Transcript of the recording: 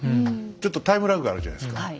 ちょっとタイムラグがあるじゃないですか。